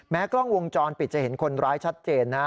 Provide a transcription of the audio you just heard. กล้องวงจรปิดจะเห็นคนร้ายชัดเจนนะ